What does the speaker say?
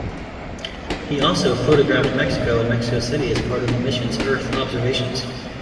He also photographed Mexico and Mexico City as part of the mission's Earth observations.